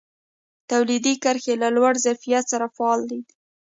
تولیدي کرښې له لوړ ظرفیت سره فعالې دي.